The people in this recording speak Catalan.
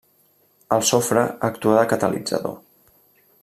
El sofre actua de catalitzador.